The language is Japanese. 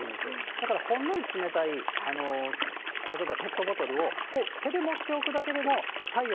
だからほんのり冷たい、例えばペットボトルを、手で持っておくだけでも、体温、